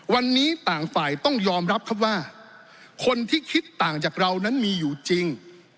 วันนี้ต่างฝ่ายต้องยอมรับครับว่าคนที่คิดต่างจากเรานั้นมีอยู่จริง